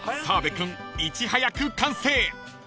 ［澤部君いち早く完成］